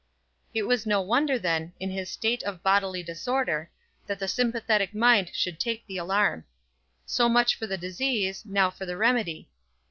It was no wonder, then, in his state of bodily disorder, that the sympathetic mind should take the alarm. So much for the disease, now for the remedy.